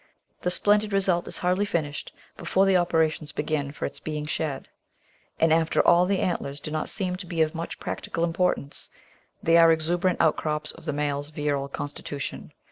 The splendid result is hardly finished before operations begin for its being shedl And after all, the antlers do not seem to be of much practical importance; they are exuberant outcrops of the male's virile constitution.